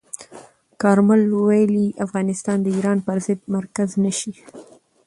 کارمل ویلي، افغانستان د ایران پر ضد مرکز نه شي.